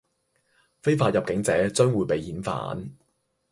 非法入境者將會被遣返